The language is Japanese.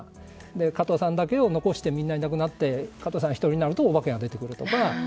加藤さんだけを残してみんないなくなって加藤さんが１人だけになるとお化けが出てくるとか。